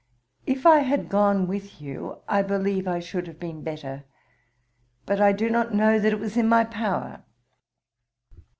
If I had gone with you, I believe I should have been better; but I do not know that it was in my power.